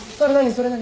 それ何？